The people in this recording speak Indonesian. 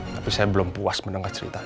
tapi saya belum puas mendengar cerita